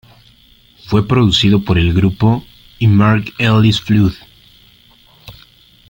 Fue producido por el grupo y Mark Ellis Flood.